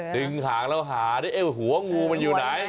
ดึงหางแล้วหาหัวงูมันอยู่ไหน